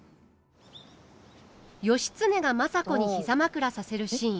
義経が政子に膝枕させるシーン。